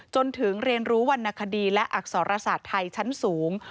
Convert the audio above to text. จนถึงเรียนรู้วรรณคดีและอักษรศาสตร์ไทยชั้นสูง